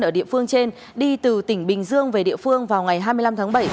ở địa phương trên đi từ tỉnh bình dương về địa phương vào ngày hai mươi năm tháng bảy